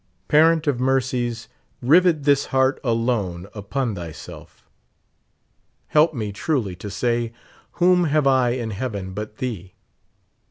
Parent of mercies, rivet this heart alone upon thyself. Help me truly to say, whom have I in heaven but thee